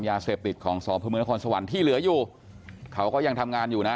ยาเสพติดของสพมนครสวรรค์ที่เหลืออยู่เขาก็ยังทำงานอยู่นะ